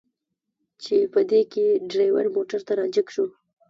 چې په دې کې ډریور موټر ته را جګ شو.